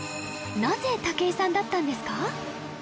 なぜ武井さんだったんですか？